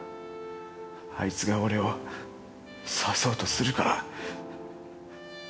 あいつが俺を刺そうとするから。